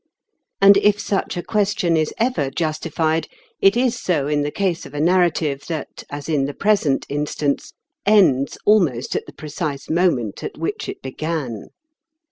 And if such a question is ever justified, it is so in the case of a narrative that, as in the present instance, ends almost at the precise moment at which it began.